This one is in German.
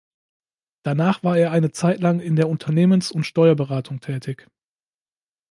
Danach war er eine Zeit lang in der Unternehmens- und Steuerberatung tätig.